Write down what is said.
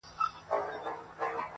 د ژوند تر پایه وړي-